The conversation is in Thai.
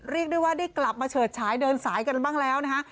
เรียกได้ว่าได้กลับมาเฉิดฉายเดินสายกันบ้างแล้วนะฮะ